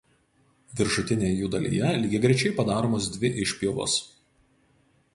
Viršutinėje jų dalyje lygiagrečiai padaromos dvi išpjovos.